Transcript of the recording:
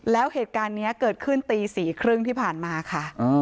แล้วเหตุการณ์นี้เกิดขึ้นตี๔๓๐ที่ผ่านมาค่ะ